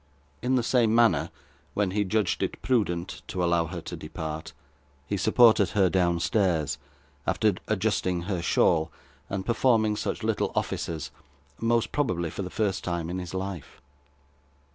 In the same manner, when he judged it prudent to allow her to depart, he supported her downstairs, after adjusting her shawl and performing such little offices, most probably for the first time in his life.